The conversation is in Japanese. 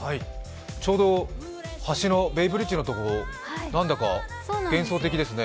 ちょうど橋、ベイブリッジのところ、なんだか幻想的ですね。